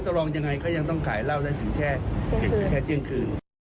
รองยังไงก็ยังต้องขายเหล้าได้ถึงแค่เที่ยงคืน